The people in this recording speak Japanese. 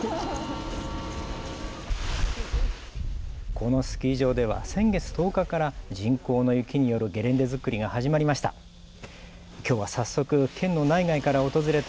このスキー場では先月１０日から人工の雪によるゲレンデ造りが始まりました。